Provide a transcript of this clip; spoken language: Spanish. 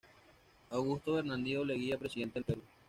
Augusto Bernardino Leguía Presidente del Perú.